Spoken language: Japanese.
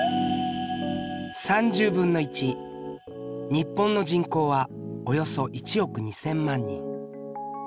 日本の人口はおよそ１億２，０００万人。